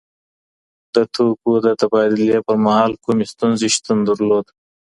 د توکو د تبادلې پر مهال کومي ستونزي شتون درلود؟